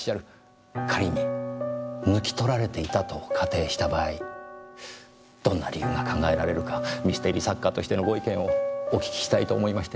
仮に抜き取られていたと仮定した場合どんな理由が考えられるかミステリー作家としてのご意見をお聞きしたいと思いまして。